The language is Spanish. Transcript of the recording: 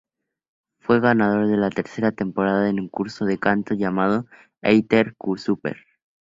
Fue ganador de la tercera temporada en un concurso de canto llamado "Airtel Súper".